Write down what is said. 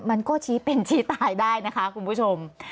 มันก็ชี้เป็นชี้ตายได้นะคะคุณผู้ชม